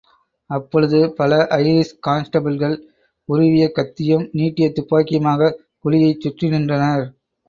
அப்பொழுது பல ஐரிஷ் கான்ஸ்டபிள்கள் உருவிய கத்தியும், நீட்டியதுப்பாக்கியுமாகக் குழியைச் சுற்றி நின்றனர்.